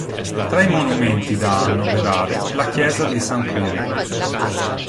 Tra i monumenti da annoverare, la chiesa di S. Quirico.